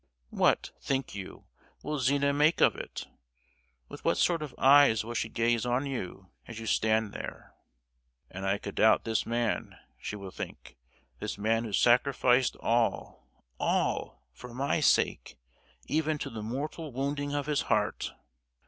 "What, think you, will Zina make of it? With what sort of eyes will she gaze on you as you stand there? 'And I could doubt this man!' she will think, 'this man who sacrificed all, all, for my sake—even to the mortal wounding of his heart!